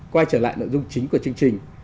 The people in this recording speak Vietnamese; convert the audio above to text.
quay trở lại nội dung chính của chương trình